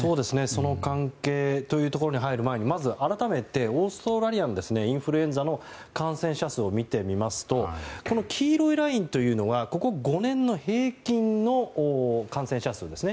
その関係というところに入る前にまず改めて、オーストラリアのインフルエンザの感染者数を見てみますと黄色いラインというのはここ５年の平均の感染者数です。